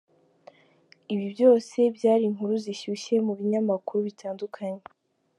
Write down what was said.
Ibi byose, byari inkuru zishyushye mu binyamakuru bitandukanye.